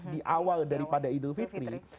di awal daripada idul fitri